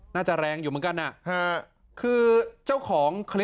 น่าจะแรงอยู่เหมือนกันค่ะ